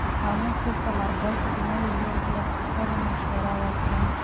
معلم صاحب ثمر ګل ته د نوي لور د اخیستلو مشوره ورکړه.